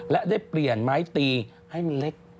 และได้เปลี่ยนไม้ตีให้มันเล็ก